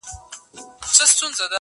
دا تور بدرنګه دا زامن د تیارو-